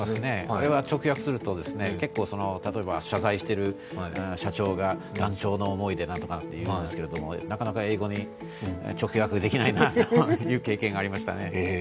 あれは直訳すると、結構例えば、謝罪している社長が断腸の思いでなんて言うんですがなかなか英語に直訳できないなという経験がありましたね。